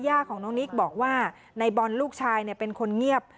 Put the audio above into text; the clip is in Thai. ย่าของน้องนิกบอกว่าในบอลลูกชายเป็นคนเงียบ